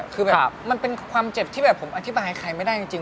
คือแบบมันเป็นความเจ็บที่แบบผมอธิบายใครไม่ได้จริง